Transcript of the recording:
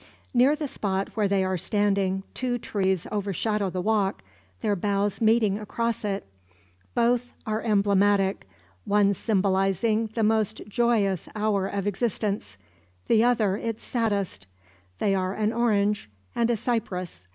Near the spot where they are standing two trees overshadow the walk, their boughs meeting across it. Both are emblematic one symbolising the most joyous hour of existence, the other its saddest. They are an orange, and a cypress.